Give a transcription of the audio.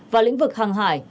và lĩnh vực hàng hải